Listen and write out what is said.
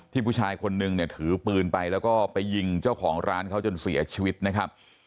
ผู้ชายคนนึงเนี่ยถือปืนไปแล้วก็ไปยิงเจ้าของร้านเขาจนเสียชีวิตนะครับ